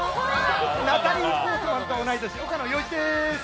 ナタリー・ポートマンと同い年、岡野陽一です。